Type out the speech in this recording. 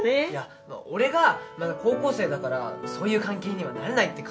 俺がまだ高校生だからそういう関係にはなれないって。